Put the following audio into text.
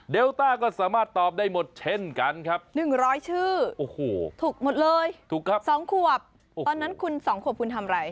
ต้าก็สามารถตอบได้หมดเช่นกันครับ๑๐๐ชื่อโอ้โหถูกหมดเลยถูกครับ๒ขวบตอนนั้นคุณ๒ขวบคุณทำอะไร